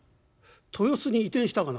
豊洲に移転したかな？